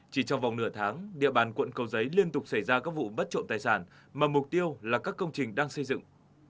chỉ trong vòng nửa tháng địa bàn quận cầu giấy liên tục xảy ra các vụ bất trộm tài sản mà mục tiêu là các công trình đang xây dựng